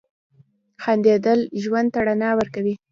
• خندېدل ژوند ته رڼا ورکوي.